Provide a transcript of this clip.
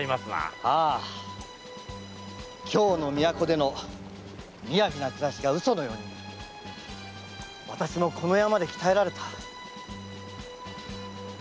〔ああ京の都での雅な暮らしが嘘のように私もこの山で鍛えられた〕